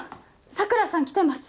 桜さん来てます。